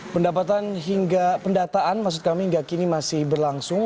pendapatan hingga pendataan maksud kami hingga kini masih berlangsung